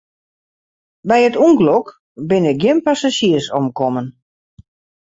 By it ûngelok binne gjin passazjiers omkommen.